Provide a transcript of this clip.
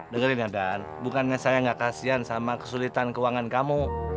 dengar ini dan bukannya saya enggak kasihan sama kesulitan keuangan kamu